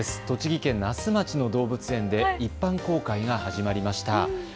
栃木県那須町の動物園で一般公開が始まりました。